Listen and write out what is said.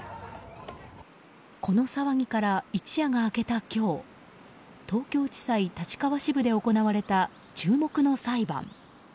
この騒ぎから一夜が明けた今日東京地裁立川支部で行われた注目の裁判。